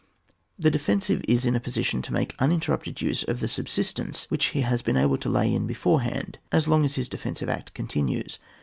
The defensive is in a position to make uninterrupted use of the subsistence which he has been able to lay in before hand, as long as his defensive act con tinues.